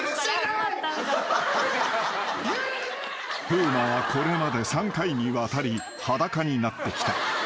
［風磨はこれまで３回にわたり裸になってきた］